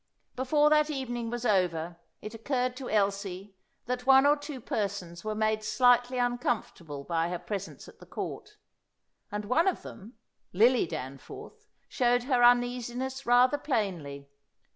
Before that evening was over it occurred to Elsie that one or two persons were made slightly uncomfortable by her presence at the Court; and one of them, Lily Danforth, showed her uneasiness rather plainly.